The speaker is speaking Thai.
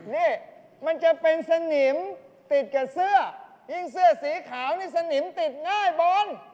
นี่มันจะเป็นสนิมติดกับเสื้อยิ่งเสื้อสีขาวนี่สนิมติดง่ายบน